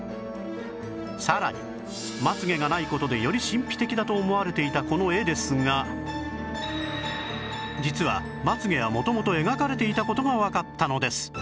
さらにまつ毛がない事でより神秘的だと思われていたこの絵ですが実はまつ毛は元々描かれていた事がわかったのです